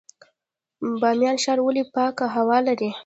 بامیان ښار ولې پاکه هوا لري؟